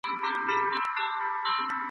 خو چي راغلې دې نړۍ ته د جنګونو پراخ میدان ته ..